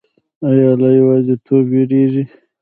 ایا له یوازیتوب ویریږئ؟